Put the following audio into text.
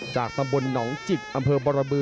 จากตำบลหนองจิกอำเภอบรบือ